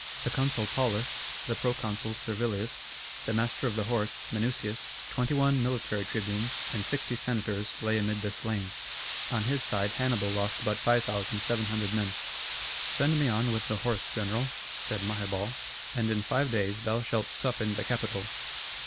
The consul Paulus, the proconsul Servilius, the master of the horse Minucius, 21 military tribunes, and 60 senators lay amid the slain. On his side Hannibal lost but 5,700 men. "Send me on with the horse, general," said Maherbal, "and in five days thou shalt sup in the Capitol."